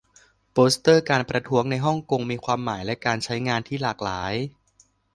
โปสเตอร์การประท้วงในฮ่องกงมีความหมายและการใช้งานที่หลากหลาย